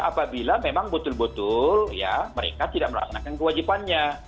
apabila memang betul betul ya mereka tidak melaksanakan kewajibannya